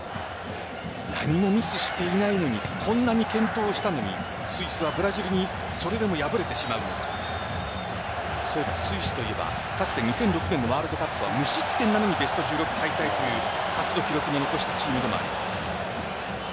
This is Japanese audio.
何もミスしていないのにこんなに健闘したのにスイスはブラジルにこれでも敗れてしまうスイスといえばかつて２００６年ワールドカップは無失点でベスト１６敗退という初の記録を残したチームでもあります。